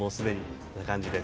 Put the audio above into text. そんな感じです。